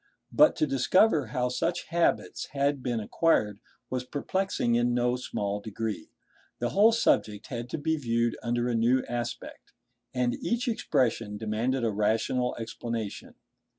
But to discover how such habits had been acquired was perplexing in no small degree. The whole subject had to be viewed under a new aspect, and each expression demanded a rational explanation.